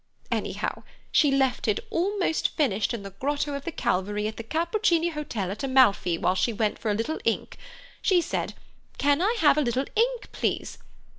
Anyhow, she left it almost finished in the Grotto of the Calvary at the Capuccini Hotel at Amalfi while she went for a little ink. She said: 'Can I have a little ink, please?